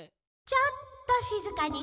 ちょっしずかに。